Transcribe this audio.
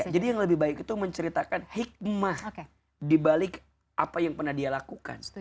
jadi yang lebih baik itu menceritakan hikmah dibalik apa yang pernah dia lakukan